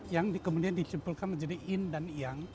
yang kemudian dicumpulkan menjadi yin dan yang